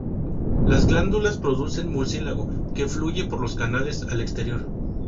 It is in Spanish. Las glándulas producen mucílago que fluye por los canales al exterior.